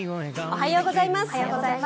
おはようございます。